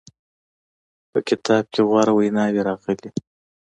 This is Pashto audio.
په کتاب کې غوره ویناوې راغلې.